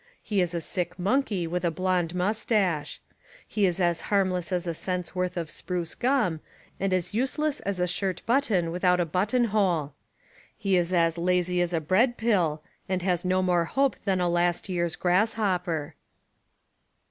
He is a sick monkey with a blonde mustash. He is as harmless as a cent's worth of spruce gum and as useless as a shirt button without a button hole. He is as lazy as a 132 American Humour bread pill, and has no more hope than a last year's grass hopper."